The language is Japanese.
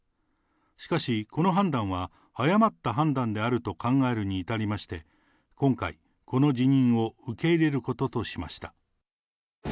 しかし、この判断は誤った判断であると考えるに至りまして、今回、この辞任を受け入れることとしました。